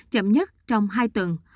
chậm nhất trong hai tuần